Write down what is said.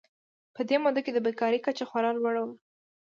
په دې موده کې د بېکارۍ کچه خورا لوړه وه.